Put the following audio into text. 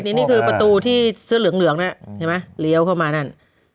นี่คือประตูที่เสื้อเหลืองนะเห็นไหมเลี้ยวเข้ามานั่น